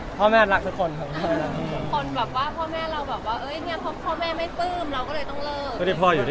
กำลังทำอยู่